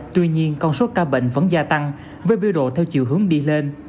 tuy nhiên con số ca bệnh vẫn gia tăng với biêu độ theo chiều hướng đi lên